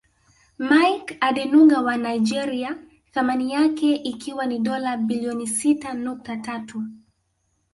Mike Adenuga wa Nigeria thamani yake ikiwa ni dola bilioni sita nukta tatu